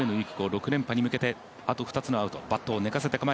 ６連覇に向けてあと２つのアウト。